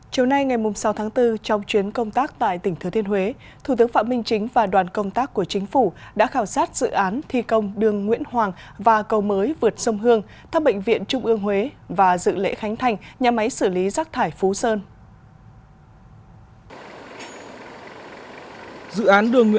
châu nay ngày sáu tháng bốn trong chuyến công tác tại tỉnh thứ thiên huế thủ tướng phạm minh chính và đoàn công tác của chính phủ đã khảo sát dự án thi công đường nguyễn hoàng và cầu mới vượt sông hương thăm bệnh viện trung ương huế và dự lễ khánh thành nhà máy xử lý rác thải phú sơn